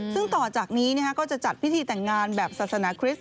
ซึ่งต่อจากนี้ก็จะจัดพิธีแต่งงานแบบศาสนาคริสต